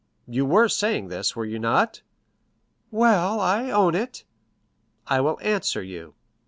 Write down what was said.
"You were saying this, were you not?" "Well, I own it." "I will answer you."